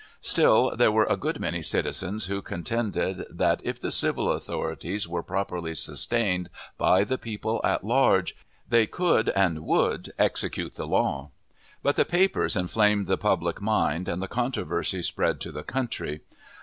Still, there were a good many citizens who contended that, if the civil authorities were properly sustained by the people at large, they could and would execute the law. But the papers inflamed the public mind, and the controversy spread to the country.